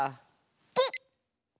ピッ！